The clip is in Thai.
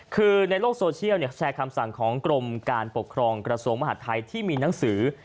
คือในโลกโซเชียลแชร์คำสั่งของกรมการปกครองกระทรวงมหาดไทยที่มีหนังสือ